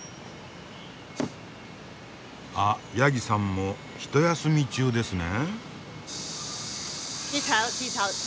あヤギさんもひと休み中ですね。